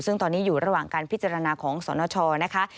ซึ่งตอนนี้อยู่ระหว่างการพิจารณาของสนชนะคะ